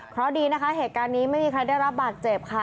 เพราะดีนะคะเหตุการณ์นี้ไม่มีใครได้รับบาดเจ็บค่ะ